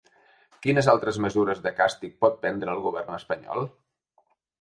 Quines altres mesures de càstig pot prendre el govern espanyol?